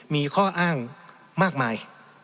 มีข้ออ้างมากมาย